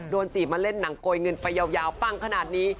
จีบมาเล่นหนังโกยเงินไปยาวปังขนาดนี้